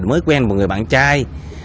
mới quen một người bạn trai